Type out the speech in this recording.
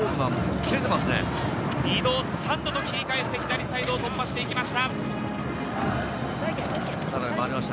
２度３度と切り返して左サイドを突破してきました。